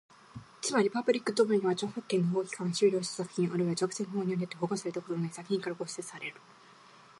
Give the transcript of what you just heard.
つまり、パブリックドメインは、著作権の保護期間が終了した作品、あるいは著作権法によって保護されたことのない作品から構成される。